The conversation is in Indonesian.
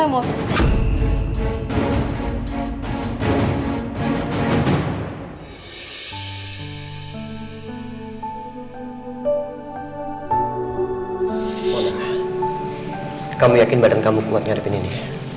om lemos kamu yakin badan kamu kuat ngarepin ini